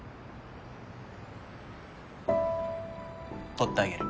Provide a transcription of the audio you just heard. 取ってあげる。